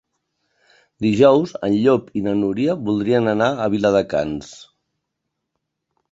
Dijous en Llop i na Núria voldrien anar a Viladecans.